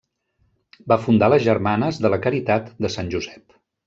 Va fundar les Germanes de la Caritat de Sant Josep.